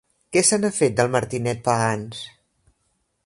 Què se n'ha fet, del Martinet Pagans?